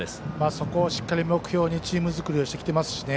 そこをしっかり目標にチーム作りをしてきてますしね。